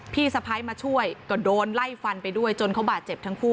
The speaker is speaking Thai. พี่สะพ้ายมาช่วยก็โดนไล่ฟันไปด้วยจนเขาบาดเจ็บทั้งคู่